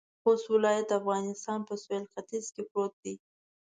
خوست ولایت د افغانستان په سویل ختيځ کې پروت دی.